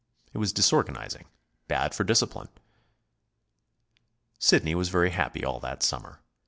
It was disorganizing, bad for discipline. Sidney was very happy all that summer.